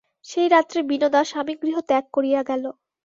সেই রাত্রে বিনোদা স্বামীগৃহ ত্যাগ করিয়া গেল।